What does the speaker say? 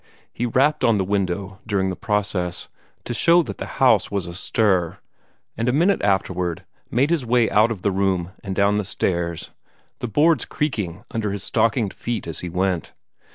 He rapped on the window during the process, to show that the house was astir, and a minute afterward made his way out of the room and down the stairs, the boards creaking under his stockinged feet as he went.